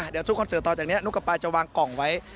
เดี๋ยวทุกคอนเสิร์ตต่อจากนี้นุ๊กกับปลาจะวางกล่องไว้